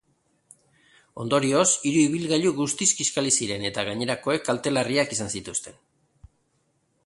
Ondorioz, hiru ibilgailu guztiz kiskali ziren eta gainerakoek kalte larriak izan zituzten.